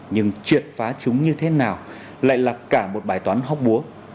nhưng triệt phá chúng như thế nào lại là cả một bài toán hóc búa